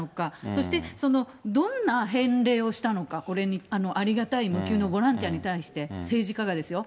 そしてどんな返礼をしたのか、ありがたい無給のボランティアに対して、政治家がですよ。